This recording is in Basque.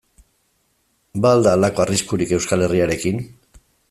Ba al da halako arriskurik Euskal Herriarekin?